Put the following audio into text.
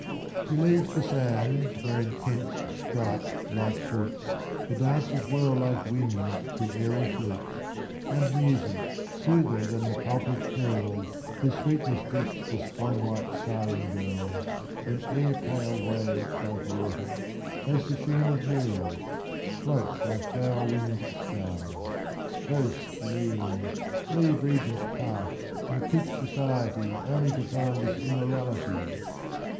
She leaves the sands, where in tents striped like fruits The dancers whirl like winds to airy flutes ; And music, soother than the pulp of pearls Whose sweetness decks the swan white syren girls, 87 Messalina at Margate. In air pale waves like water, has the sheen Of mirrors, floats like flower wing 'd stars. — O spleen Leave Regent's Park and quit society Only to rind this immorality